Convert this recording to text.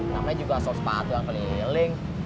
namanya juga sor sepatu yang keliling